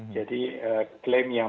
jadi claim yang